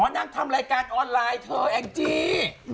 นักทำรายการออนไลน์แองจี